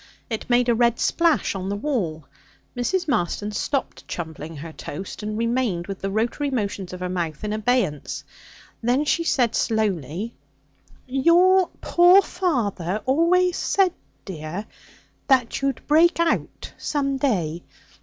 It made a red splash on the wall. Mrs. Marston stopped chumbling her toast, and remained with the rotary motions of her mouth in abeyance. Then she said slowly: 'Your poor father always said, dear, that you'd break out some day.